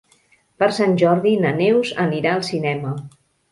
Per Sant Jordi na Neus anirà al cinema.